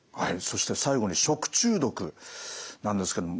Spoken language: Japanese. そして最後に食中毒なんですけども。